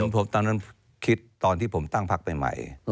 ผมตอนนั้นคิดตอนที่ผมตั้งพักใหม่